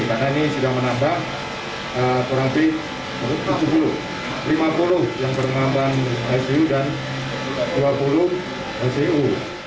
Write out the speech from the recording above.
karena ini sudah menambah kurang lebih lima puluh yang bernambahan icu dan dua puluh icu